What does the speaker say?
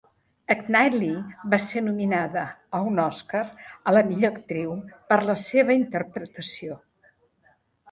Knightley va ser nominada a un Òscar a la millor Actriu per la seva interpretació.